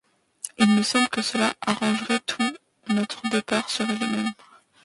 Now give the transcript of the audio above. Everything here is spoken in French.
Il me semble que cela arrangerait tout, notre départ serait le même.